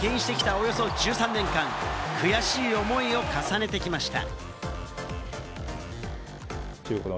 およそ１３年間、悔しい思いを重ねてきました。